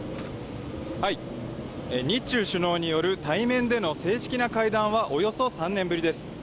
日中首脳による対面での正式な会談はおよそ３年ぶりです。